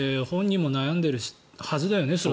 本人も悩んでるはずだよね。